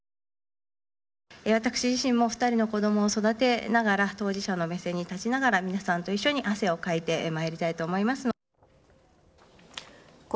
私自身も２人の子どもを育てながら、当事者の目線に立ちながら、皆さんと一緒に汗をかいてまいりたいと思いますので。